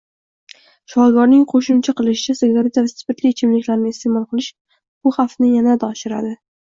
Shifokorning qoʻshimcha qilishicha, sigareta va spirtli ichimliklarni isteʼmol qilish bu xavfni yanada oshiradi.